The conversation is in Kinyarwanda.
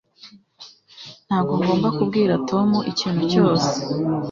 Ntabwo ngomba kubwira Tom ikintu cyose